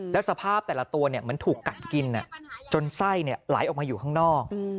แล้วสภาพแต่ละตัวเหมือนถูกกัดกินจนไส้ไหลออกมาอยู่ข้างนอก